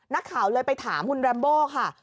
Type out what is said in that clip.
นักข่าวเลยไปถามคุณแรมโบค่ะ